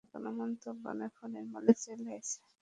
আর কোনও মন্তব্য নয়।